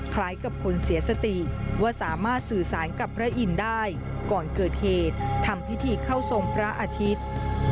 คล้ายกับคนเสียสติว่าสามารถสื่อสารกับพระอินทร์ได้ก่อนเกิดเหตุทำพิธีเข้าทรงพระอาทิตย์